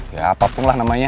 gak apapun lah namanya